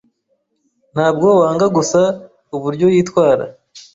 Ntabwo wanga gusa uburyo yitwara?